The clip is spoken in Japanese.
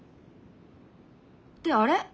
ってあれ？